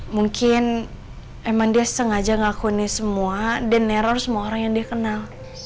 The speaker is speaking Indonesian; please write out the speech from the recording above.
mungkin emang dia sengaja ngakuni semua dan nerror semua orang yang dia kenal